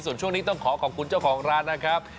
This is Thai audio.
ส่วนช่วงนี้ต้องขอขอบคุณเจ้าของร้านนะครับ